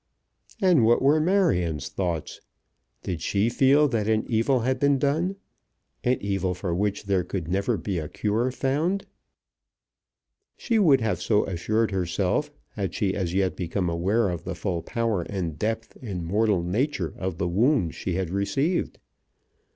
And what were Marion's thoughts? Did she feel that an evil had been done, an evil for which there could never be a cure found? She would have so assured herself, had she as yet become aware of the full power and depth and mortal nature of the wound she had received.